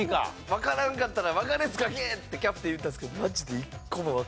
「わからんかったらわかるやつ書け！」ってキャプテン言ったんですけどマジで。